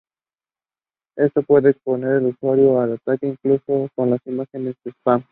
Esto puede exponer al usuario al ataque incluso con las imágenes spam.